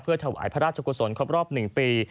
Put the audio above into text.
เพื่อถวายพระราชกุศลครอบรอบหนึ่งปี